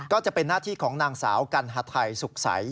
ก็จะเป็นหน้าที่ของนางสาวกัณฑไทยสุขใส